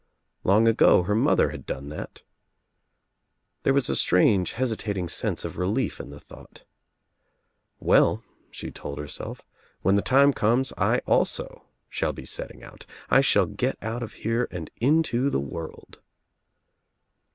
Long ago her mother UNLIGHTED LAMPS 73 (ad done that. There was a strange hesitating sense f relief in the thought. "Well," she told herself, *'when the time comes I also shall be setting out, I shall get ou t of here and into the world."